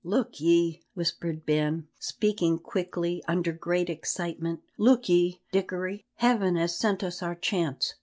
"Look ye," whispered Ben, speaking quickly, under great excitement, "look ye, Dickory, Heaven has sent us our chance.